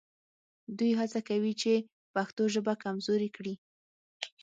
دوی هڅه کوي چې پښتو ژبه کمزورې کړي